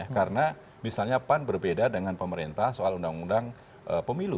karena misalnya pan berbeda dengan pemerintah soal undang undang pemilu